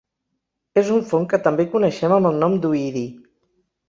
És un fong que també coneixem amb el nom d'oïdi.